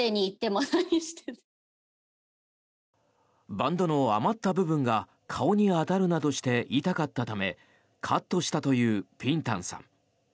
バンドの余った部分が顔に当たるなどして痛かったためカットしたというピン・タンさん。